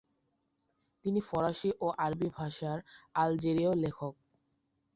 তিনি ফরাসী ও আরবি ভাষার আলজেরীয় লেখক।